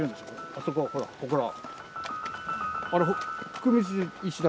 あそこほらほこら。